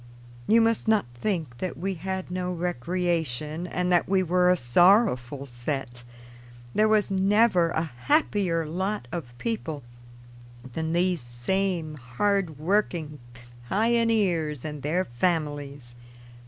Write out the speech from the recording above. You must not think that we had no recreation and that we were a sorrowful set. There was never a happier lot of people than these same hard working pioneers and their families.